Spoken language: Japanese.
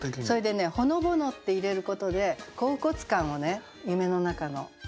それでね「ほのぼの」って入れることで恍惚感をね夢の中の。